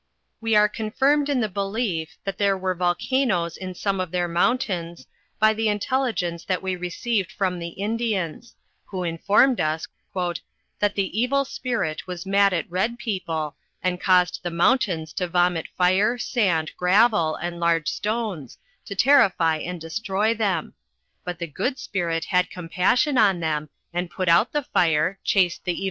We are confirmed in the belief, that there were volcan oes in some of their mountains, by the intelligence that we received from the Indians; who informed us, "that the Evil Spirit was mad at Kcd people, and caused the mountains to vomit fire, sand, gravel, and largo stones, to terrify and de stroy them; but the Good Spirit had compassion on them, and put out the fire, chased the Ev!